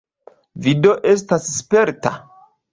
Vi do estas sperta?